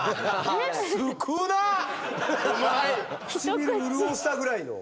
唇潤したぐらいの。